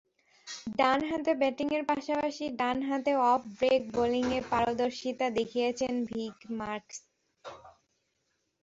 ডানহাতে ব্যাটিংয়ের পাশাপাশি ডানহাতে অফ ব্রেক বোলিংয়ে পারদর্শীতা দেখিয়েছেন ভিক মার্কস।